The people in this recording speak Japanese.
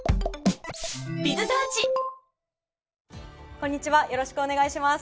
こんにちはよろしくお願いします。